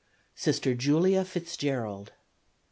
Sister Julia Fitzgerald.